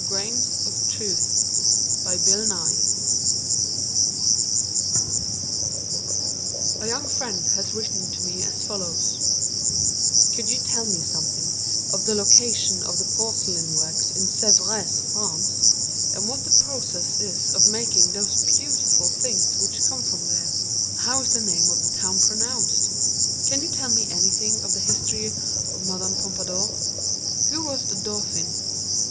GRAINS OF TRUTH BY BILL NYE A young friend has written to me as follows: "Could you tell me something of the location of the porcelain works in Sèvres, France, and what the process is of making those beautiful things which come from there? How is the name of the town pronounced? Can you tell me anything of the history of Mme. Pompadour? Who was the Dauphin?